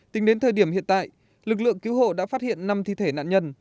tính đến thời điểm hiện tại lực lượng cứu hộ đã phát hiện năm thi thể nạn nhân